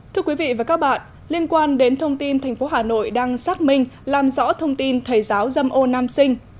thưa quý vị và các bạn liên quan đến thông tin tp hcm đang xác minh làm rõ thông tin thầy giáo dâm ô nam sinh